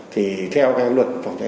thì theo cái luận